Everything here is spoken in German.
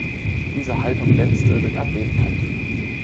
Diese Haltung glänzte durch Abwesenheit.